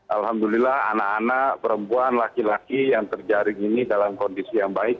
alhamdulillah anak anak perempuan laki laki yang terjaring ini dalam kondisi yang baik